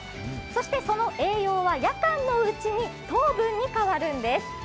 そしてその栄養は夜間のうちに糖分に変わるんです。